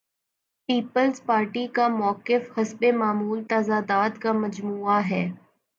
Peoples Party کا موقف حسب معمول تضادات کا مجموعہ ہے۔